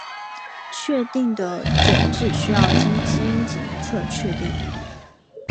确定的诊治需要经基因检测确定。